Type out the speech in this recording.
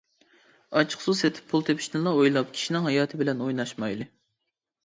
ئاچچىقسۇ سېتىپ پۇل تېپىشنىلا ئويلاپ، كىشىنىڭ ھاياتى بىلەن ئويناشمايلى.